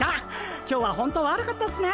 今日はほんと悪かったっすね。